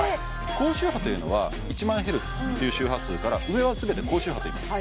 高周波というのは１万ヘルツっていう周波数から上は全て高周波といいます